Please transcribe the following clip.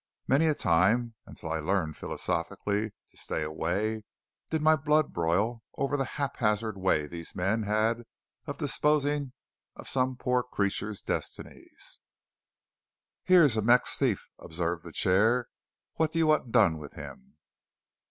Many a time, until I learned philosophically to stay away, did my blood boil over the haphazard way these men had of disposing of some poor creature's destinies. "Here's a Mex thief," observed the chair. "What do you want done with him?"